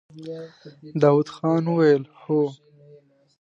داوود خان وويل: هو!